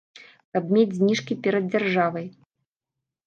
Каб мець зніжкі перад дзяржавай.